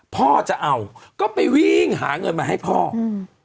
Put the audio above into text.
พ่อจะเอาก็ไปวิ่งหาเงินมาให้พ่ออืม